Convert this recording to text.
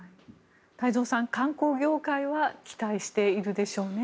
太蔵さん、観光業界は期待しているでしょうね。